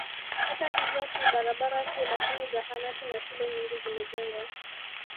Hata hivyo si barabara tu lakini zahanati na shule nyingi zimejengwa